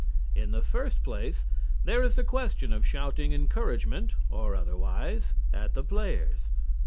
In the first place, there is the question of shouting encouragement, or otherwise, at the players.